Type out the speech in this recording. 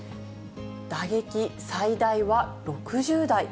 打撃最大は６０代。